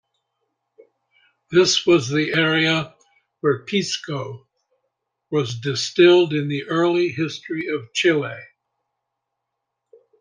This was the area where pisco was distilled in the early history of Chile.